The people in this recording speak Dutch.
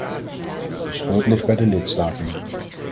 De schuld ligt bij de lidstaten.